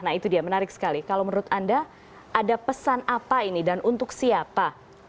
nah itu dia menarik sekali kalau menurut anda ada pesan apa ini dan untuk siapa